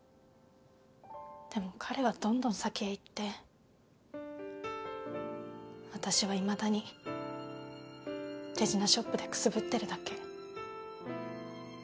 でも彼はどんどん先へ行って私はいまだに手品ショップでくすぶってるだけ。